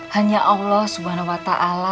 hanya allah swt